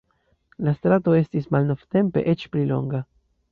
La strato estis malnovtempe eĉ pli longa.